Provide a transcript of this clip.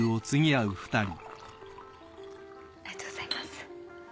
ありがとうございます。